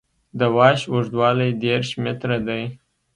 د واش اوږدوالی دېرش متره دی